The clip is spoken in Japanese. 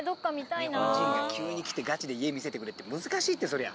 日本人が急に来てガチで家見せてくれって難しいってそりゃ。